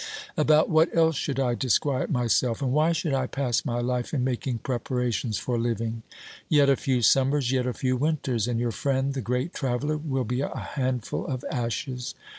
About what else should I disquiet myself, and why should I pass my life in making preparations for living? Yet a few summers, yet a few winters, and your friend, the great traveller, will be a handful of ashes.